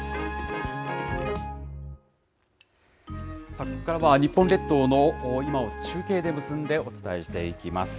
さあ、ここからは日本列島の今を中継で結んで、お伝えしていきます。